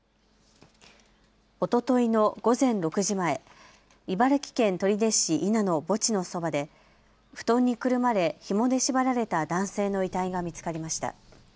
おとといの午前６時前、茨城県取手市稲の墓地のそばで布団にくるまれひもで縛られた男性の遺体が見つかりました。